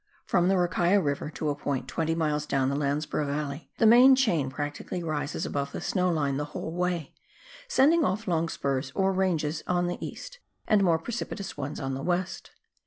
From the Rakaia River to a point twenty miles down the Landsborough valley, the main chain practically rises above the snow line the whole way, sending ofi" long spurs or ranges on the east, and more precipitous ones on the west.